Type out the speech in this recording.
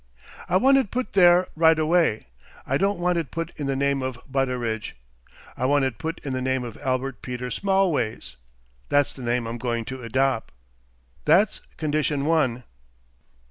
I want it put there, right away. I don't want it put in the name of Butteridge. I want it put in the name of Albert Peter Smallways; that's the name I'm going to edop'. That's condition one."